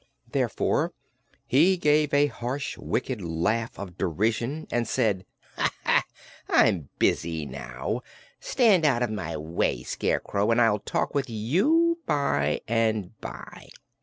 Therefore he gave a harsh, wicked laugh of derision and said: "I'm busy, now. Stand out of my way, Scarecrow, and I'll talk with you by and by."